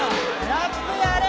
ラップやれ！